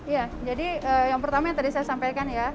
ya jadi yang pertama yang tadi saya sampaikan ya